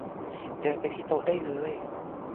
เดินไปที่โต๊ะได้เลย